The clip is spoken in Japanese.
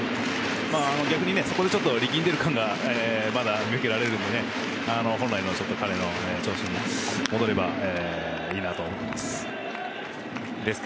逆に、そこでちょっと力んでいる感がまだ見受けられるので本来の彼の調子に戻ればいいなと思います。